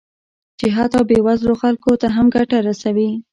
چې حتی بې وزلو خلکو ته هم ګټه رسوي